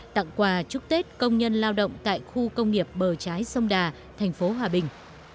tặng quà chúc tết công nhân lao động tại khu công nghiệp bờ trái sông đà thành phố hòa bình